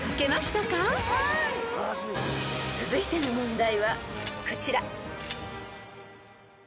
［続いての問題はこちら］